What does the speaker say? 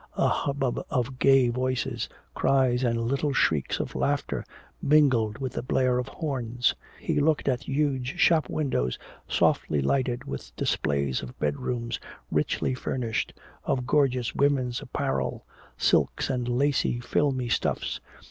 A hubbub of gay voices, cries and little shrieks of laughter mingled with the blare of horns. He looked at huge shop windows softly lighted with displays of bedrooms richly furnished, of gorgeous women's apparel, silks and lacy filmy stuffs.